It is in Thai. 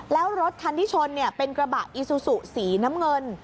แล้วรถคันที่ชนเป็นกระบะอีซูซูสีน้ำเงิน